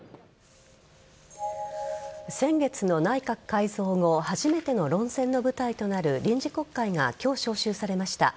先月の内閣改造後初めての論戦の舞台となる臨時国会が今日召集されました。